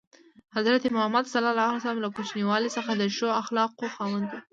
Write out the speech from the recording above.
حضرت محمد ﷺ له کوچنیوالي څخه د ښو اخلاقو خاوند و.